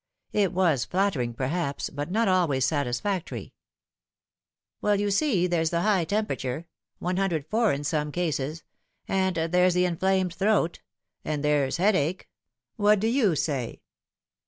It was flattering, perhaps, but not always satis factory. " Well, you see, there's the high temperature 104 in some cases and there's the inflamed throat, and there's headache. What do you say